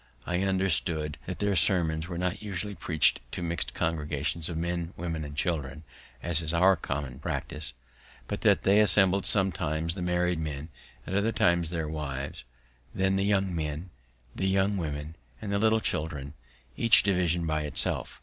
I understood that their sermons were not usually preached to mixed congregations of men, women, and children, as is our common practice, but that they assembled sometimes the married men, at other times their wives, then the young men, the young women, and the little children, each division by itself.